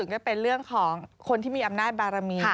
ก็เป็นเรื่องของคนที่มีอำนาจบารมี